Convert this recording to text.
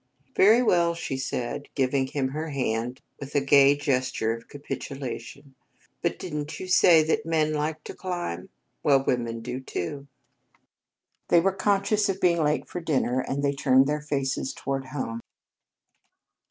"Very well," she said, giving him her hand with a gay gesture of capitulation. "But didn't you say that men liked to climb? Well, women do, too." They were conscious of being late for dinner and they turned their faces toward home.